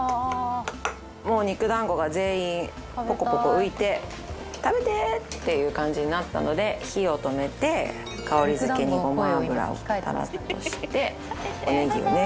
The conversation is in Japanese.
もう肉団子が全員ポコポコ浮いて食べて！っていう感じになったので火を止めて香り付けにごま油をタラッとしてネギをね